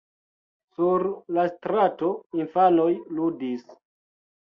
Sur la strato infanoj ludis.